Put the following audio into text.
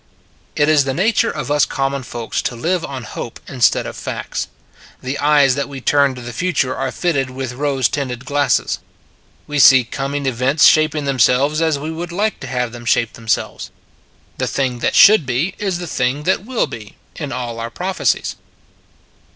It is the nature of us common folks to live on hope instead of facts. The eyes that we turn to the future are fitted with rose tinted glasses. We see coming events shaping themselves as we would like to have them shape themselves. The thing that should be is the thing that will be, in all our prophecies.